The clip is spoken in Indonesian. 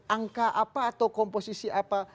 angka apa atau komposisi apa